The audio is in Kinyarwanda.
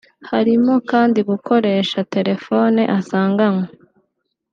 Harimo kandi gukoresha telefoni asanganwe